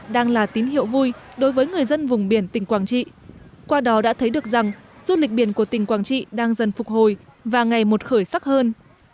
đối với người dân vùng biển tỉnh quảng trị qua đó đã thấy được rằng du lịch biển của tỉnh quảng trị đang dần phục hồi và ngày một khởi sắc hơn